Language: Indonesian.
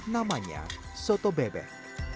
namanya soto bebek